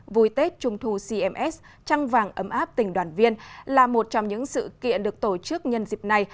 vui tết trung thu cms trăng vàng ấm áp tình đoàn viên là một trong những sự kiện được tổ chức nhân dịp này